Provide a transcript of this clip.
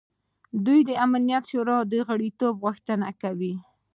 دوی د امنیت شورا د غړیتوب غوښتنه کوي.